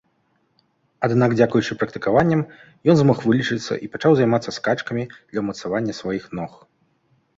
Аднак дзякуючы практыкаванням ён змог вылечыцца і пачаў займацца скачкамі для ўмацавання сваіх ног.